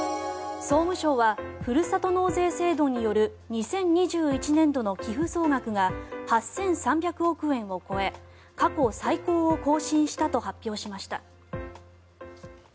総務省はふるさと納税制度による２０２１年度の寄付総額が８３００億円を超え過去最高を更新したと発表しました。